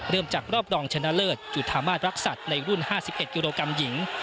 เริ่มจากรอบรองชนะเลิศจุธามาสรักษัตริย์ในรุ่น๕๑กิโลกรัมหญิง